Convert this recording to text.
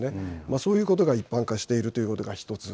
そういうことが一般化しているということが一つ。